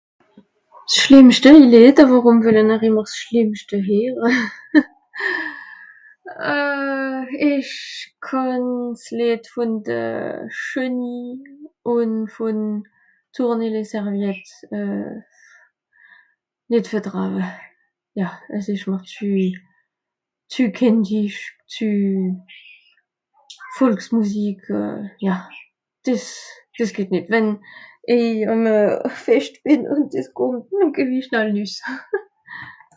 "S'schlìmmschte Lied... worum welle-n-r ìmmer s'schlìmmschte heere ? haha euh... ìch kànn s'Lied vùn de ""chenille"" ùn vùn ""tournez les serviettes"" euh... nìt vertraawe... Ja, es ìsch m'r zü... zü kìndisch, zü... Volksmusik... euh... Ja. Dìs... dìs geht nìt, wenn i àm e Fescht bìn ùn dìs kùmmt noh geh-w-i schnall nüss."